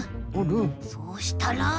そうしたら。